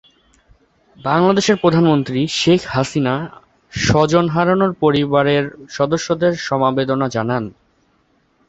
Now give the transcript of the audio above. বাংলাদেশের প্রধানমন্ত্রী, শেখ হাসিনা, স্বজন হারানো পরিবারের সদস্যদের সমবেদনা জানান।